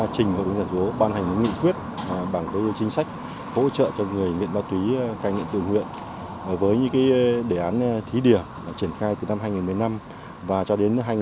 cái chính sách đối với ca nghiện ma túy số năm